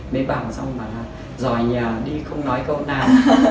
mới bảo xong bảo là dòi nhà đi không nói câu nào